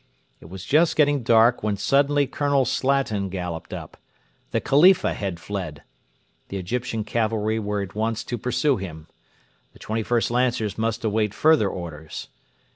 It was just getting dark when suddenly Colonel Slatin galloped up. The Khalifa had fled! The Egyptian cavalry were at once to pursue him. The 21st Lancers must await further orders.